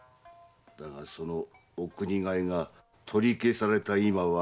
だがそのお国替が取り消された今は。